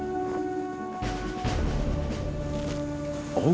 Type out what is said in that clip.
obat penawar racun